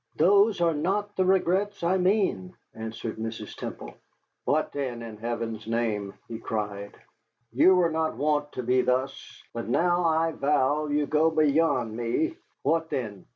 "Those are not the regrets I mean," answered Mrs. Temple. "What then, in Heaven's name?" he cried. "You were not wont to be thus. But now I vow you go beyond me. What then?"